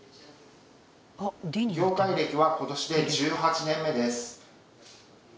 業界歴は今年で１８年目です